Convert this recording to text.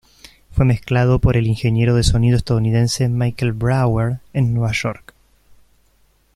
Fue mezclado por el ingeniero de sonido estadounidense Michael Brauer en Nueva York.